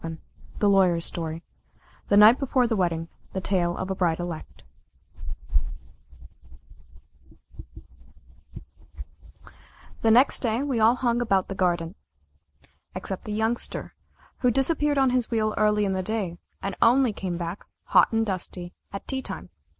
VII THE LAWYER'S STORY THE NIGHT BEFORE THE WEDDING THE TALE OF A BRIDE ELECT The next day we all hung about the garden, except the Youngster, who disappeared on his wheel early in the day, and only came back, hot and dusty, at tea time.